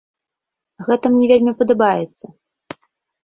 Гэта мне вельмі падабаецца.